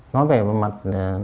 nói về mặt